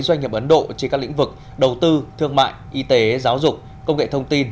doanh nghiệp ấn độ trên các lĩnh vực đầu tư thương mại y tế giáo dục công nghệ thông tin